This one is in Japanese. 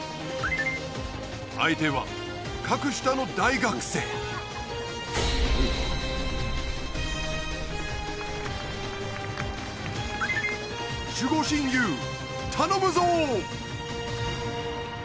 相手は格下の大学生守護神ＹＯＵ頼むぞ！